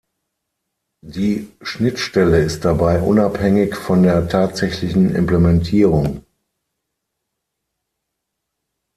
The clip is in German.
Die Schnittstelle ist dabei unabhängig von der tatsächlichen Implementierung.